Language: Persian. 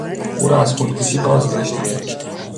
او را از خودکشی بازداشتند.